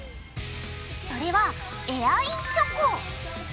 それはエアインチョコ！